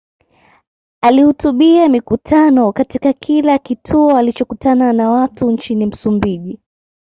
Alihutubia mikutano katika kila kituo alichokutana na watu nchini Msumbiji